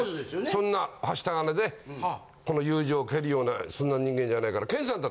そんなはした金でこの友情を蹴るようなそんな人間じゃないから。